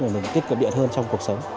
để tích cực điện hơn trong cuộc sống